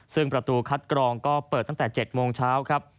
ซึ่งประตูคัดกรองก็เปิดตั้งแต่๗โมงเช้าครับ